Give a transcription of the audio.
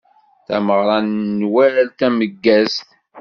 Tameɣṛa n Nwal tameggazt.